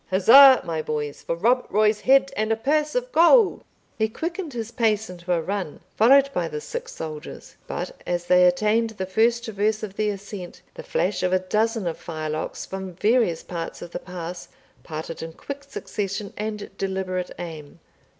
"Huzza, my boys, for Rob Roy's head and a purse of gold." He quickened his pace into a run, followed by the six soldiers; but as they attained the first traverse of the ascent, the flash of a dozen of firelocks from various parts of the pass parted in quick succession and deliberate aim.